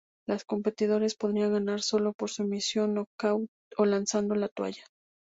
Los competidores podrían ganar solo por sumisión, nocaut o lanzando la toalla.